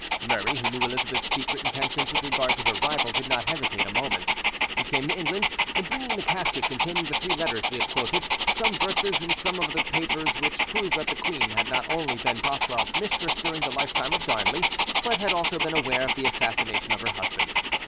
Murray, who knew Elizabeth's secret intentions with regard to her rival, did not hesitate a moment. He came to England, bringing the casket containing the three letters we have quoted, some verses and some other papers which proved that the queen had not only been Bothwell's mistress during the lifetime of Darnley, but had also been aware of the assassination of her husband.